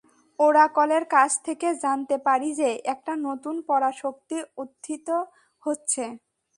ওরাকলের কাছ থেকে জানতে পারি যে একটা নতুন পরাশক্তি উত্থিত হচ্ছে।